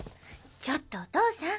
ちょっとお父さん！